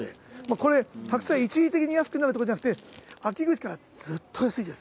これ、白菜、一時的に安くなるってことじゃなくて、秋口からずっと安いです。